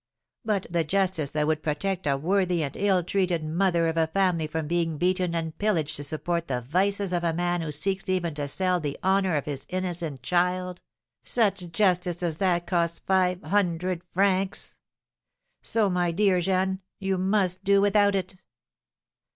But the justice that would protect a worthy and ill treated mother of a family from being beaten and pillaged to support the vices of a man who seeks even to sell the honour of his innocent child, such justice as that costs five hundred francs! So, my dear Jeanne, you must do without it."